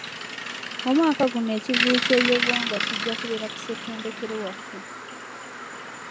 Omwaka guno ekivvulu ky'ebyobuwangwa kijja kubeera ku ssentendekero waffe.